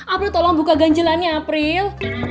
april tolong buka ganjelannya april